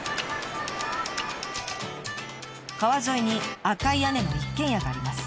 川沿いに赤い屋根の一軒家があります。